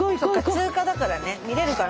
通過だからね見れるかな？